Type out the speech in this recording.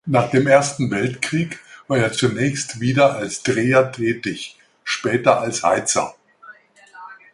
Nach dem Ersten Weltkrieg war er zunächst wieder als Dreher tätig, später als Heizer.